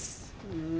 うん。